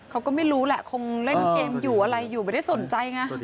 เขาก็ไม่รู้แหละคงเล่นเกมอยู่อะไรอยู่ไม่ได้สนใจไง